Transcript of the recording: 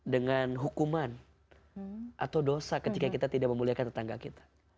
dengan hukuman atau dosa ketika kita tidak memuliakan tetangga kita